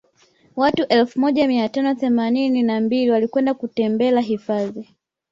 Watu elfu moja mia tano themanini na mbili walikwenda kutembela hifadhi